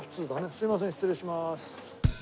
すみません失礼します。